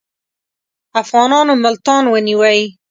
افغانانو ملتان ونیوی.